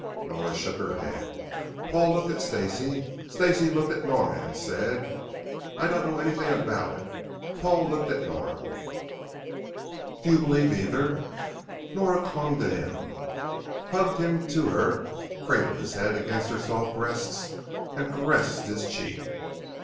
Nora shook her head. Paul looked at Stacey. Stacey looked at Nora and said, "I don't know anything about it." Paul looked at Nora. "Don't you believe either?" Nora clung to him, hugged him to her, cradled his head against her soft breasts and caressed his cheek.